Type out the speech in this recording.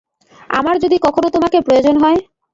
আমার যদি কখনো তোমাকে প্রয়োজন হয়?